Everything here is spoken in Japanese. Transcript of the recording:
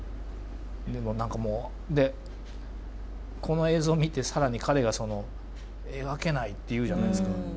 でも何かもうでこの映像を見て更に彼がその「描けない」って言うじゃないですか。